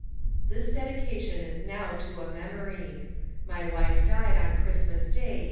'' This dedication is now to a memory. My wife died on Christmas Day, 1897.